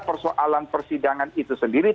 persoalan persidangan itu sendiri